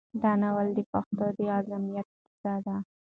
دا ناول د پښتنو د عظمت کیسه ده.